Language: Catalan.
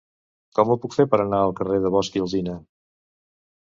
Com ho puc fer per anar al carrer de Bosch i Alsina?